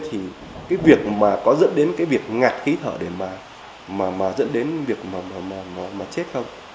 thì cái việc mà có dẫn đến cái việc ngạt khí thở để mà dẫn đến việc mà chết không